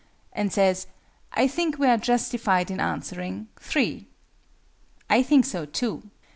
and says "I think we are justified in answering, 3." I think so too.